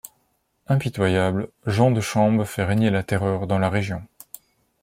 Impitoyable, Jean de Chambes fait régner la terreur dans la région.